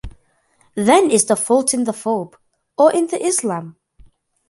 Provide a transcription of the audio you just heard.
Then is the fault in the phobe, or in the Islam?